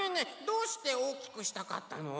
どうしておおきくしたかったの？